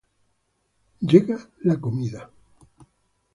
Llega la misa.